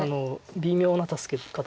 微妙な助け方です。